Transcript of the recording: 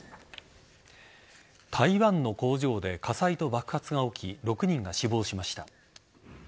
台湾の工場で火災と爆発が起き６人が死亡しました。